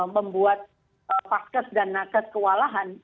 membuat paskes dan naket kewalahan